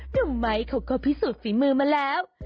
หนุ่มไม้เขาก็พิสูจน์ฝีมือมาแล้ว